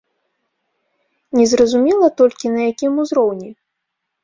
Незразумела толькі, на якім узроўні.